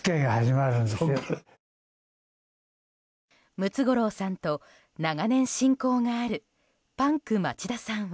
ムツゴロウさんと長年親交があるパンク町田さんは。